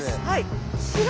はい。